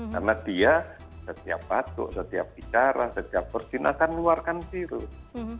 karena dia setiap batuk setiap bicara setiap persin akan mengeluarkan virus